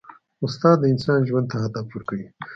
استاد د انسان ژوند ته هدف ورکوي.